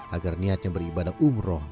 agar niatnya beribadah umroh